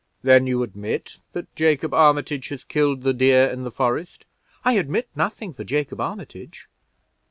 "Then you admit that Jacob Armitage has killed the deer in the forest?" "I admit nothing for Jacob Armitage."